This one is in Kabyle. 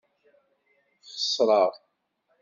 Xesreɣ.